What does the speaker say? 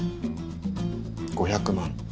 ５００万